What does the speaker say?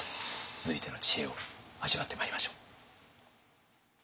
続いての知恵を味わってまいりましょう。